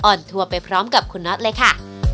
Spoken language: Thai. อัวร์ไปพร้อมกับคุณน็อตเลยค่ะ